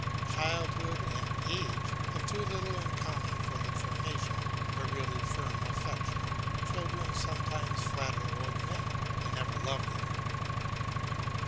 Childhood and age have too little in common for the formation of a really firm affection. Children sometimes flatter old men; they never love them.